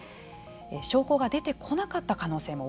証拠が出てこなかった可能性も